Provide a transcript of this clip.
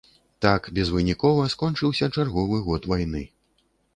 Так безвынікова скончыўся чарговы год вайны.